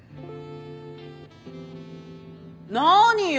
何よ？